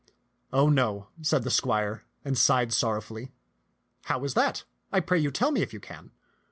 " Oh no," said the squire, and sighed sorrowfully. " How was that ? I pray you tell me if you can."